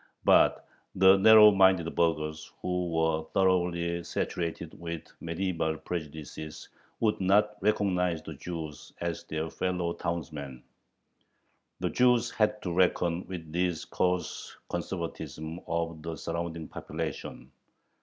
But the narrow minded burghers, who were thoroughly saturated with medieval prejudices, would not recognize the Jews as their fellow townsmen. The Jews had to reckon with this coarse conservatism of the surrounding population.